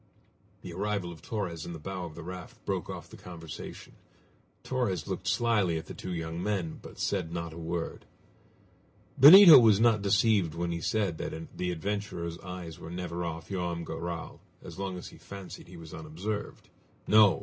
The arrival of Torres in the bow of the raft broke off the conversation. Torres looked slyly at the two young men, but said not a word. Benito was not deceived when he said that the adventurer's eyes were never off Joam Garral as long as he fancied he was unobserved. No!